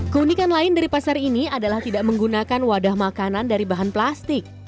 keunikan lain dari pasar ini adalah tidak menggunakan wadah makanan dari bahan plastik